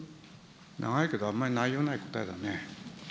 長いけどあんまり内容ない答えだね。